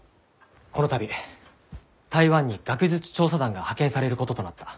この度台湾に学術調査団が派遣されることとなった。